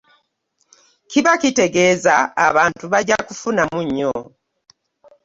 Kiba kitegeeza abantu bajja kufunamu nnyo.